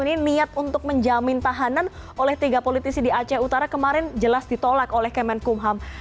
ini niat untuk menjamin tahanan oleh tiga politisi di aceh utara kemarin jelas ditolak oleh kemenkumham